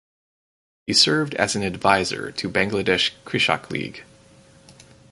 He served as an advisor to Bangladesh Krishak League.